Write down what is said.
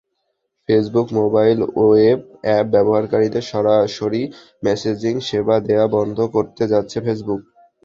Facebook mobile web app ব্যবহারকারীদের সরাসরি messaging সেবা দেওয়া বন্ধ করতে যাচ্ছে ফেসবুক।